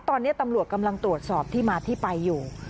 ตอนนี้ตำรวจกำลังตรวจสอบที่มาที่ไปอยู่